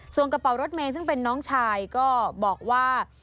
ส่วนกระเป๋ารถเมย์ซึ่งเป็นน้องชายก็บอกว่า